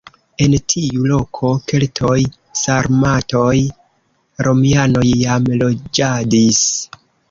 En tiu loko keltoj, sarmatoj, romianoj jam loĝadis.